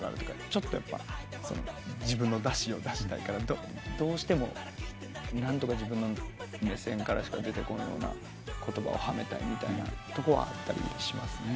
ちょっと自分のだしを出したいからどうしても何とか自分の目線からしか出てこないような言葉をはめたいってとこはあったりしますね。